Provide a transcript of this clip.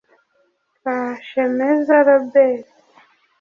Kashemeza Robert